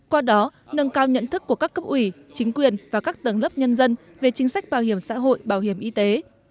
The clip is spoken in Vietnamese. qua đó nâng cao nhận thức của các cấp ủy chính quyền và các tầng lớp nhân dân về chính sách bảo hiểm xã hội bảo hiểm y tế